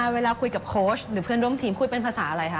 เวลาคุยกับโค้ชหรือเพื่อนร่วมทีมคุยเป็นภาษาอะไรคะ